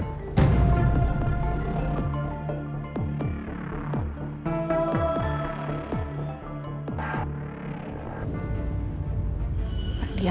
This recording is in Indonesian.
tidak ada penjelasan